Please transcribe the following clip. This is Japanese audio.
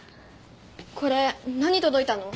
これ何届いたの？